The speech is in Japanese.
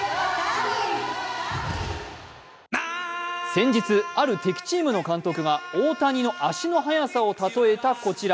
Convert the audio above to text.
先日、ある敵チームの監督が大谷の足の速さを例えたこちら。